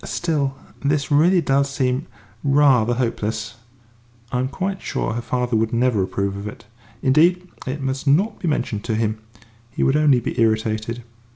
Still, this really does seem rather hopeless. I am quite sure her father would never approve of it. Indeed, it must not be mentioned to him he would only be irritated."